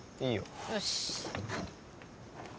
よし！